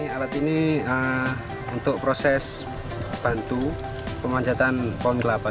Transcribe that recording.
alat ini untuk proses bantu pemanjatan pohon kelapa